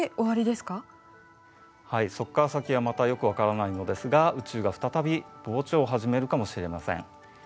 はいそこから先はまたよく分からないのですが宇宙が再び膨張をはじめるかもしれません。